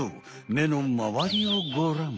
めのまわりをごらん。